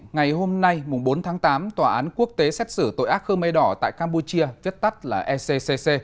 ngày hôm nay bốn tháng tám tòa án quốc tế xét xử tội ác khơ mê đỏ tại campuchia viết tắt là eccccc